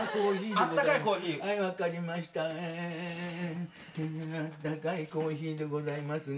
あったかいコーヒーでございますね。